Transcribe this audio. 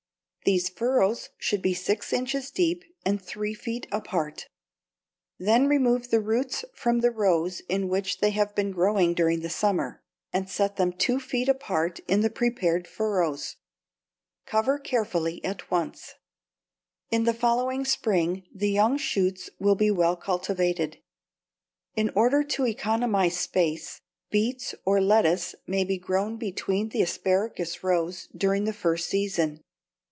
These furrows should be six inches deep and three feet apart. Then remove the roots from the rows in which they have been growing during the summer, and set them two feet apart in the prepared furrows. Cover carefully at once. [Illustration: FIG. 89. A CRATE OF ASPARAGUS] In the following spring the young shoots must be well cultivated. In order to economize space, beets or lettuce may be grown between the asparagus rows during this first season.